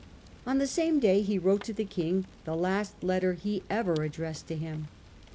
On the same day he wrote to the king, the last letter he ever addressed to him.